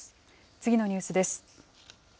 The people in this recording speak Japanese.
次のニュースです。